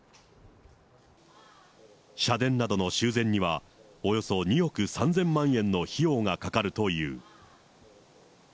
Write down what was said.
社殿などの修繕には、およそ２億３０００万円の費用がかかるという。